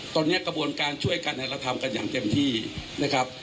ตอนนี้กระบวนการช่วยกันเราทำกันอย่างเต็มที่นะครับ